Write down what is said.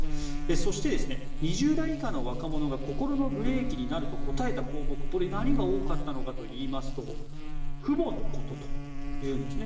そして、２０代以下の若者が心のブレーキになると答えた項目何が多かったのかといいますと父母のことというんですね。